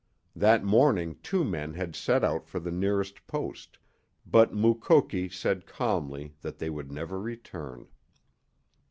That morning two men had set out for the nearest post, but Mukoki said calmly that they would never return.